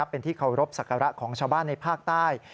เป็นที่เคารพสักการะของชาวบ้านในภาคใต้